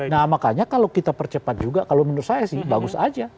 nah makanya kalau kita percepat juga kalau menurut saya sih bagus aja